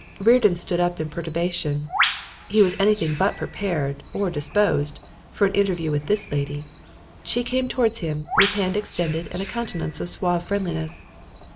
Reardon stood up in perturbation. He was anything but prepared, or disposed, for an interview with this lady. She came towards him with hand extended and a countenance of suave friendliness.